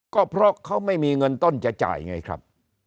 ก็เพราะเขาไม่มีเงินต้นจะจ่ายไงครับ